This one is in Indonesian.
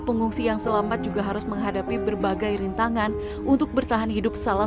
pengungsi yang selamat juga harus menghadapi berbagai rintangan untuk bertahan hidup salah